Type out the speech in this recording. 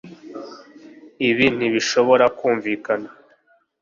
Ibi ntibishobora kumvikana